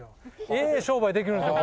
ええ商売できるんですよ